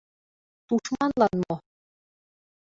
Тушманлан мо?